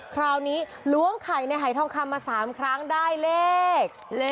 คราวนี้ล้วงไข่ในหายทองคำมา๓ครั้งได้เลข